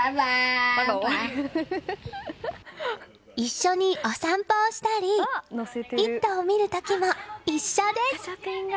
一緒にお散歩したり「イット！」を見る時も一緒です。